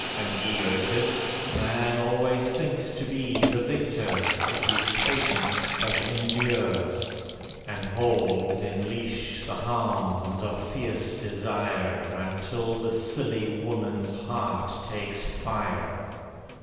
(An egotist, man always thinks to be The victor, if his patience but endures, And holds in leash the hounds of fierce desire, Until the silly woman's heart takes fire.)